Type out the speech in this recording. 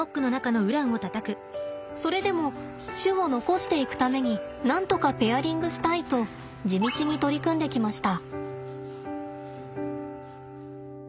それでも種を残していくためになんとかペアリングしたいと地道に取り組んできました。